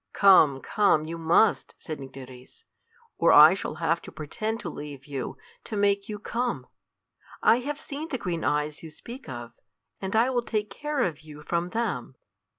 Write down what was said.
"Come! come! you must," said Nycteris, "or I shall have to pretend to leave you, to make you come. I have seen the green eyes you speak of, and I will take care of you from them."